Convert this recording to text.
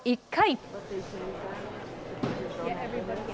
１回。